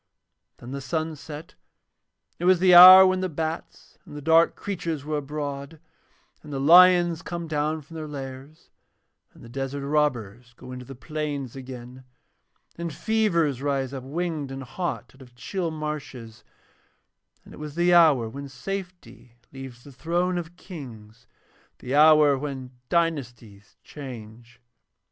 Then the sun set, and it was the hour when the bats and the dark creatures are abroad and the lions come down from their lairs, and the desert robbers go into the plains again, and fevers rise up winged and hot out of chill marshes, and it was the hour when safety leaves the thrones of Kings, the hour when dynasties change.